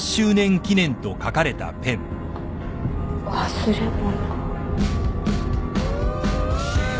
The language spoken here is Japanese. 忘れ物？